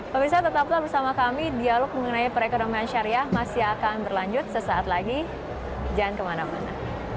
pemirsa tetaplah bersama kami dialog mengenai perekonomian syariah masih akan berlanjut sesaat lagi jangan kemana mana